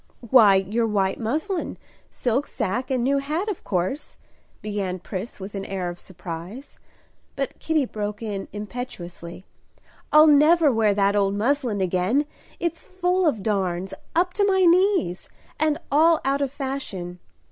"Why, your white muslin, silk sacque, and new hat, of course," began Pris with an air of surprise. But Kitty broke in impetuously, "I'll never wear that old muslin again; it's full of darns, up to my knees, and all out of fashion.